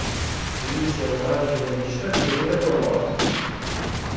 Iniziano anche le registrazioni del nuovo album.